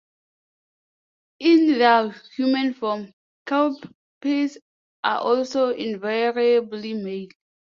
In their human form, kelpies are almost invariably male.